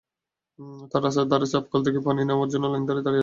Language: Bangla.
তাঁরা রাস্তার ধারে চাপকল থেকে পানি নেওয়ার জন্য লাইন ধরে দাঁড়িয়ে থাকছেন।